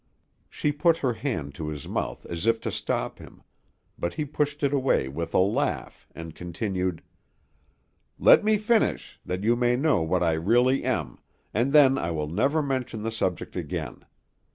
She put her hand to his mouth as if to stop him, but he pushed it away with a laugh, and continued, "Let me finish, that you may know what I really am, and then I will never mention the subject again.